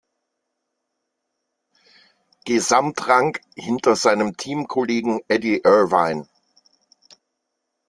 Gesamtrang hinter seinem Teamkollegen Eddie Irvine.